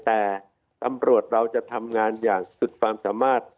แต่ตำรวจเราจะทำงานอย่างสุดความสามารถ